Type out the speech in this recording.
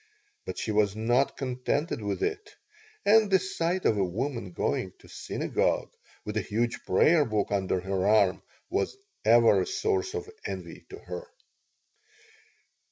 But she was not contented with it, and the sight of a woman going to synagogue with a huge prayer book under her arm was ever a source of envy to her.